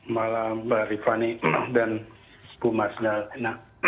malam mbak rifani dan ibu mas dalina